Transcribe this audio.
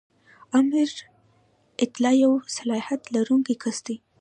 آمر اعطا یو صلاحیت لرونکی کس دی.